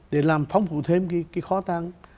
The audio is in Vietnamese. để làm phong phục thêm cái khó tăng